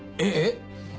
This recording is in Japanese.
えっ！？